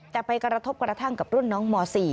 แต่ไปกระทบกระทั่งกับรุ่นน้องม๔